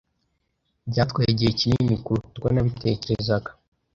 Byatwaye igihe kinini kuruta uko nabitekerezaga.